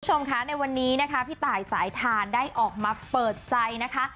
ชมค่ะในวันนี้พี่ตายสายทานได้ออกมาเปิดใจนะคะ